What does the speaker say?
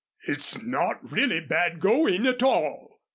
"It's not really bad going at all."